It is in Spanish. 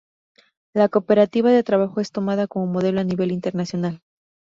La cooperativa de trabajo es tomada como modelo a nivel internacional.